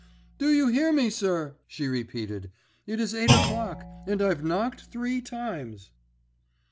"Do you hear me, sir?" she repeated. "It is eight o'clock, and I've knocked three times."